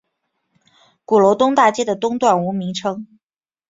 鼓楼东大街的东段无名称。